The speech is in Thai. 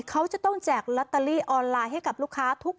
เขาจะต้องแจกลอตเตอรี่ออนไลน์ให้กับลูกค้าทุก